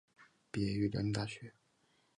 毕业于辽宁大学。